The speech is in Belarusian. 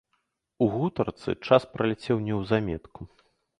У гутарцы час праляцеў неўзаметку.